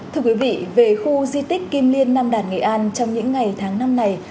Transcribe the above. thưa quý vị về khu di tích kim liên nam đàn nghệ an trong những ngày tháng năm này